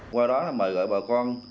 qua đó là mời gọi bà con